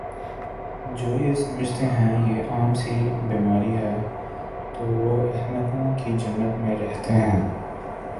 جو یہ سمجھتے ہیں یہ عام سی بیماری ہے تو وہ احمقوں کی جنت میں رہتے ہیں